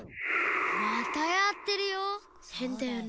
またやってるよ。